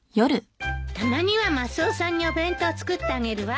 たまにはマスオさんにお弁当作ってあげるわ。